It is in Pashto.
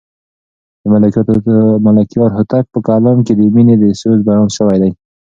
د ملکیار هوتک په کلام کې د مینې د سوز بیان شوی دی.